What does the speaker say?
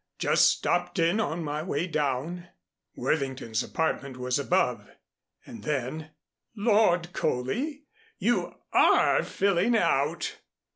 Just stopped in on my way down." Worthington's apartment was above. And then, "Lord Coley, you are filling out!